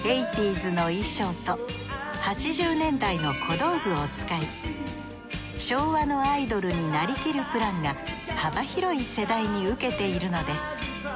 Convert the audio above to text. ’ｓの衣装と８０年代の小道具を使い昭和のアイドルになりきるプランが幅広い世代にウケているのです。